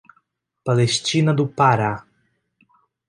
Palestina do Pará